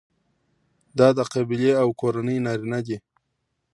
دا د قبیلې او کورنۍ نارینه دي.